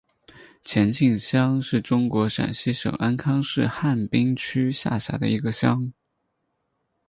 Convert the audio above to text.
前进乡是中国陕西省安康市汉滨区下辖的一个乡。